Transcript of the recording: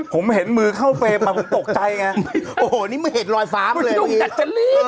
ผมเห็นมือเข้าไปมันตกใจไงโอ้โหนี่มือเห็นรอยฟ้าไปเลยนุ่มจัดจะรีบ